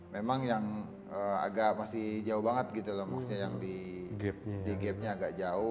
memang yang agak masih jauh banget gitu loh maksudnya yang di gamenya agak jauh